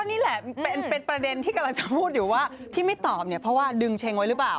นี่แหละเป็นประเด็นที่กำลังจะพูดอยู่ว่าที่ไม่ตอบเนี่ยเพราะว่าดึงเชงไว้หรือเปล่า